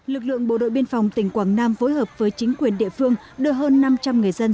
lực lượng bộ đội biên phòng tỉnh quảng nam phối hợp với chính quyền địa phương đưa hơn năm trăm linh người dân